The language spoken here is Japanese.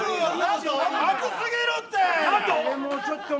熱すぎるって。